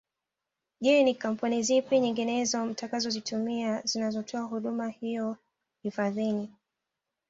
Je ni Kampuni zipi nyinginezo mtakazozitumia zinazotoa huduma hiyo hifadhini